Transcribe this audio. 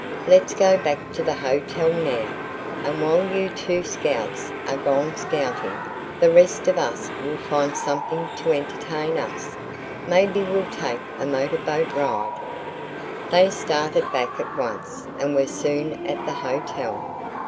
Let's go back to the hotel now, and while you two scouts are gone scouting, the rest of us will find something to entertain us. Maybe we'll take a motorboat ride." They started back at once and were soon at the hotel.